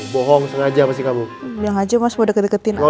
bohong sengaja pasti kamu